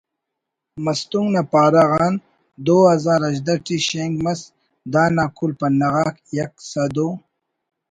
مستونگ نا پارہ غان دو ہزار ہژدہ ٹی شینک مس دا نا کُل پنہ غاک یک سدو